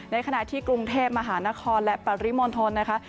ในขณะที่กรุงเทพฯมหานครและปริมนต์ธนตร์